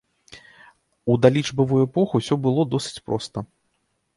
У далічбавую эпоху ўсё было досыць проста.